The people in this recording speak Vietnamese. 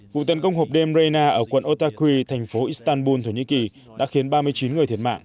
vụ tấn công hộp đêm rena ở quận otakui thành phố istanbul thổ nhĩ kỳ đã khiến ba mươi chín người thiệt mạng